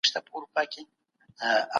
تاسو ولې تاریخي کتابونه نه لولئ؟